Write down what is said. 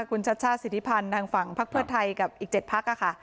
หรือว่าคุณชาชะศิธิพันธ์ทางฝั่งภาคเพื่อร์ไทยกับอีก๗พัก